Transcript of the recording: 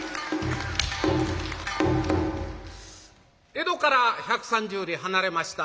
江戸から１３０里離れました